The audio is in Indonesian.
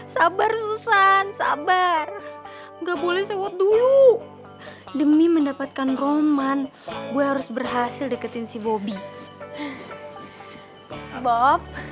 sabar sabar nggak boleh sewa dulu demi mendapatkan roman gue harus berhasil deketin si bobby bob